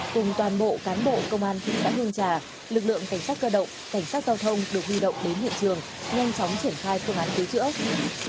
cùng toàn bộ cán bộ công an thị xã hương trà lực lượng cảnh sát cơ động cảnh sát giao thông được huy động đến hiện trường nhanh chóng triển khai phương án cứu chữa